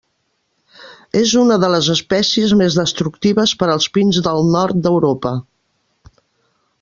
És una de les espècies més destructives per als pins del Nord d'Europa.